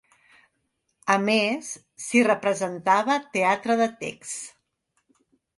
A més, s'hi representava teatre de text.